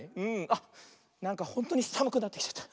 あっなんかほんとにさむくなってきちゃった。